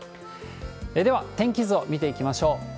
では、天気図を見ていきましょう。